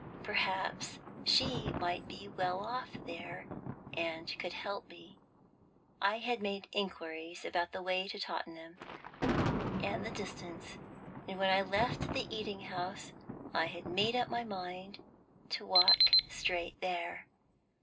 Perhaps she might be well off there, and could help me. I had made inquiries about the way to Tottenham, and the distance, and when I left the eating house I had made up my mind to walk straight there.